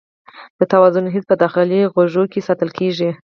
د توازن حس په داخلي غوږ کې ساتل کېږي.